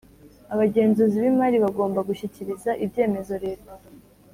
Abagenzuzi b imari bagomba gushyikiriza ibyemezo leta